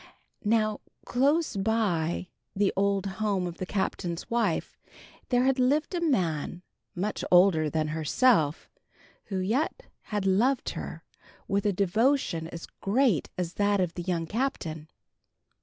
Now close by the old home of the Captain's wife there had lived a man, much older than herself, who yet had loved her with a devotion as great as that of the young Captain.